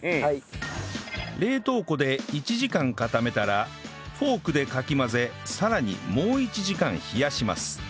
冷凍庫で１時間固めたらフォークでかき混ぜさらにもう１時間冷やします